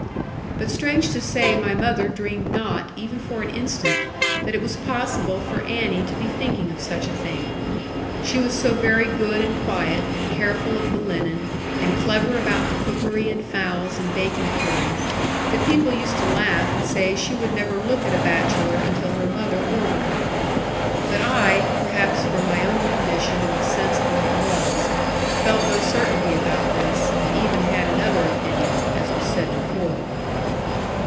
But strange to say my mother dreamed not, even for an instant, that it was possible for Annie to be thinking of such a thing. She was so very good and quiet, and careful of the linen, and clever about the cookery and fowls and bacon curing, that people used to laugh, and say she would never look at a bachelor until her mother ordered her. But I (perhaps from my own condition and the sense of what it was) felt no certainty about this, and even had another opinion, as was said before.